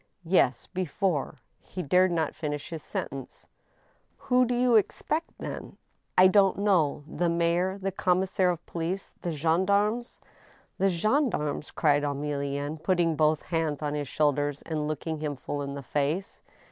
"Yes; before—" He dared not finish his sentence." " Who do you expect, then ?"" I don't know who ; the mayor, the commissaire of police, the gendarmes." A WAKENED. 95 " The gendarmes ?" cried Emilienne, putting both hands on his shoulders, and looking him full in the face.